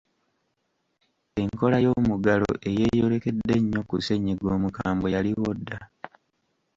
Enkola y'omuggalo eyeeyolekedde ennyo ku ssenyiga omukambwe yaliwo dda.